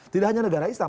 tidak hanya negara islam